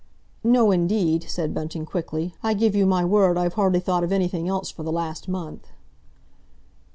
"No, indeed," said Bunting quickly. "I give you my word, I've hardly thought of anything else for the last month."